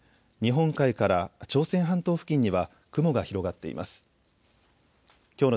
日本海から朝鮮半島付近には雲が広がっています。